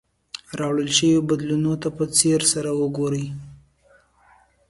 راوړل شوي بدلونونو ته په ځیر سره وګورئ.